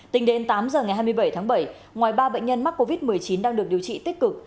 tính đến tám giờ ngày hai mươi bảy tháng bảy ngoài ba bệnh nhân mắc covid một mươi chín đang được điều trị tích cực